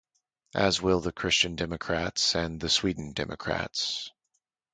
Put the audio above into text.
As will the Christian Democrats and the Sweden Democrats.